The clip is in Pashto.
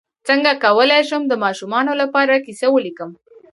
څنګه کولی شم د ماشومانو لپاره کیسه ولیکم